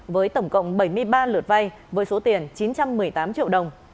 với tổng cộng bảy mươi ba lượt vay với số tiền chín trăm một mươi tám triệu đồng